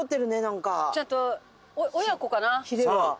ちゃんと親子かな？